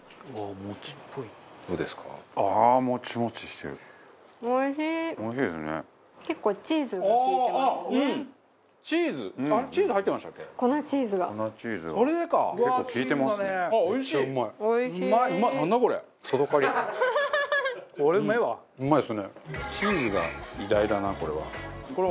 バカリズム：チーズが偉大だなこれは。